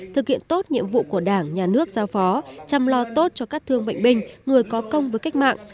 thực hiện tốt nhiệm vụ của đảng nhà nước giao phó chăm lo tốt cho các thương bệnh binh người có công với cách mạng